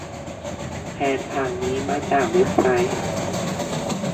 แผนผังนี้มาจากเว็บไซต์